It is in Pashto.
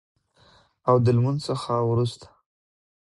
او د لمونځ څخه وروسته